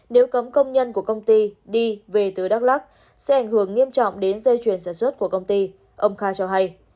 nếu cấm công nhân của công ty đi về từ đắk lắc sẽ ảnh hưởng nghiêm trọng đến dây chuyển sản xuất của công ty ông kha cho hay